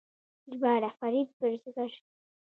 ژباړه فرید بزګر